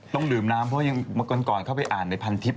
ต้องดื่มน้ำเพราะยังเมื่อก่อนเข้าไปอ่านในพันทิพย